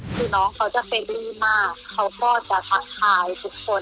คือน้องเขาจะเซรี่มากเขาก็จะทักทายทุกคน